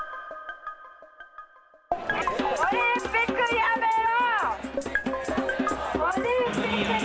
オリンピック、やめろ！